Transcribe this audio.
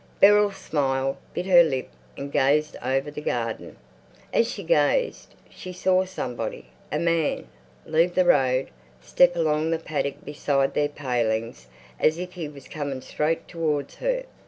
Beryl smiled, bit her lip, and gazed over the garden. As she gazed, she saw somebody, a man, leave the road, step along the paddock beside their palings as if he was coming straight towards her.